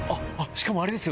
しかもあれですよ